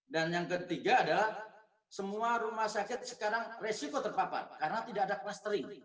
dan yang ketiga adalah semua rumah sakit sekarang risiko terpapan karena tidak ada clustering